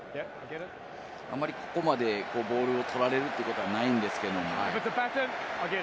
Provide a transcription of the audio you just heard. あまりここまでボールを取られるということはないんですけれども。